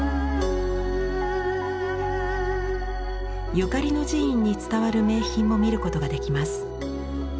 ゆかりの寺院に伝わる名品も見ることができます。